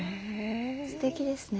すてきですね。